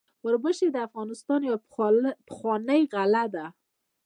وربشې د افغانستان یوه پخوانۍ غله ده.